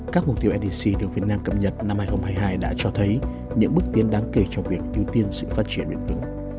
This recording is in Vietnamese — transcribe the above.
các mục tiêu ndc được việt nam cập nhật năm hai nghìn hai mươi hai đã cho thấy những bước tiến đáng kể trong việc ưu tiên sự phát triển bền vững